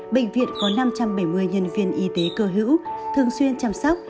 bệnh viện có năm trăm bảy mươi nhân viên y tế cơ hữu thường xuyên chăm sóc